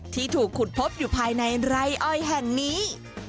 ที่ถูกขุดพบอยู่ภายในไร่อ้อยแห่งนี้